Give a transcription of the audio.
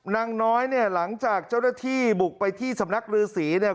นางน้อยหลังจากเจ้าหน้าที่บุกไปที่สำนักรือศรี